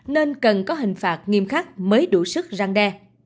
nên cần có hình phạt nghiêm khắc mới đủ sức răng đe